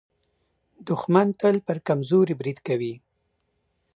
دښمن تل پر کمزوري برید کوي